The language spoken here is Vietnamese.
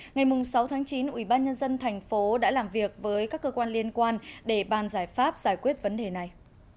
ngày sáu chín ubnd tp đã làm việc với các cơ quan liên quan để bàn giải pháp giải quyết vấn đề này